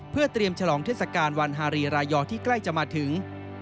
เพื่อเตรียมฉลองเทศกาลวันฮารีรายอร์ที่ใกล้จะมาถึง